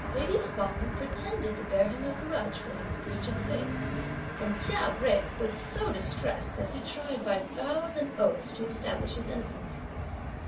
Lady Feng pretended to bear him a grudge for his breach of faith, and Chia Jui was so distressed that he tried by vows and oaths (to establish his innocence.)